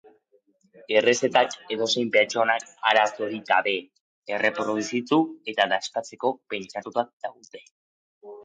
Errezetak edozein pertsonak, arazorik gabe, erreproduzitu eta dastatzeko pentsatuta daude.